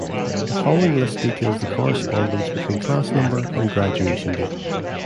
The following list details the correspondence between class number and graduation date.